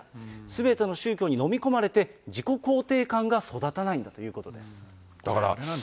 すべての宗教に飲み込まれて、自己肯定感が育たないんだということです。